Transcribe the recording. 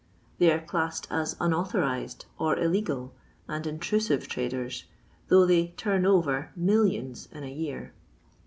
They are classed as unauthorized or illegal and intrusive traders, though they " turn over " millions in a year.